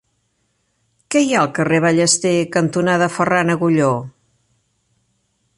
Què hi ha al carrer Ballester cantonada Ferran Agulló?